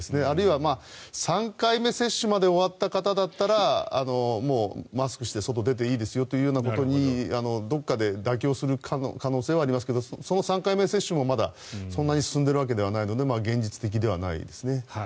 あるいは３回目接種まで終わった方だったらもうマスクして外に出ていいですよというようなことにどこかで妥協する可能性はありますけどその３回目接種もまだそんなに進んでいるわけではないので現実的ではないですね。